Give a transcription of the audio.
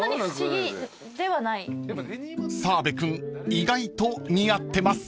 ［澤部君意外と似合ってます］